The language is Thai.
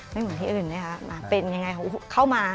ไม่เหมือนที่อื่นนะคะเป็นยังไงของเข้ามา